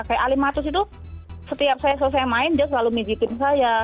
kayak alimatus itu setiap saya selesai main dia selalu mijikin saya